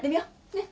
ねっ。